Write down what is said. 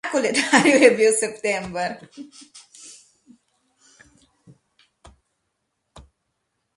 Na koledarju je bil september.